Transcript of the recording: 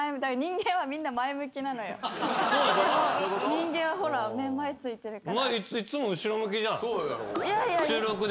人間はほら目前ついてるから。